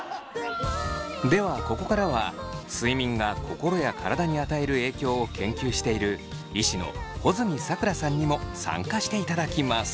ではここからは睡眠が心や体に与える影響を研究している医師の穂積桜さんにも参加していただきます。